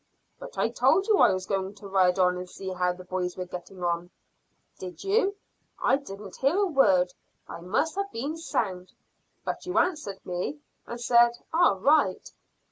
"But I told you I was going to ride on and see how the boys were getting on." "Did you? I didn't hear a word. I must have been sound." "But you answered me, and said, `All right.'"